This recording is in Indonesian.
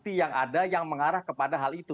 bukti yang ada yang mengarah kepada hal itu